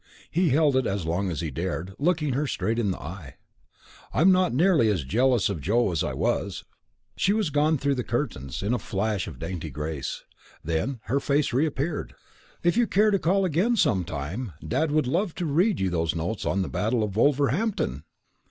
He held it as long as he dared, looking her straight in the eye. "I'm not nearly as jealous of Joe as I was!" She was gone through the curtains, a flash of dainty grace. Then her face reappeared. "If you care to call again some time, Dad would love to read you those notes on the Battle of Wolverhampton!"